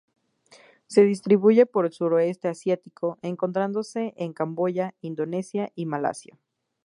Se distribuye por el Sureste Asiático, encontrándose en Camboya, Indonesia y Malasia.